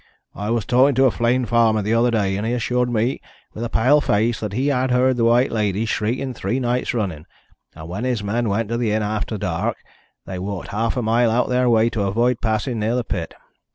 I was talking to a Flegne farmer the other day, and he assured me, with a pale face, that he had heard the White Lady shrieking three nights running, and when his men went to the inn after dark they walked half a mile out of their way to avoid passing near the pit.